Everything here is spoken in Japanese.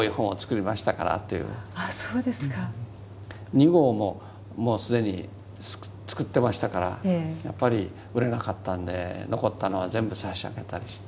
２号ももう既に作ってましたからやっぱり売れなかったんで残ったのは全部差し上げたりして。